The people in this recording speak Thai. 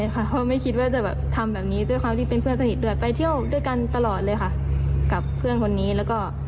เค้ามีปฏิกรรมนะตอนที่เรายังไม่รู้ว่าเค้าถ่าย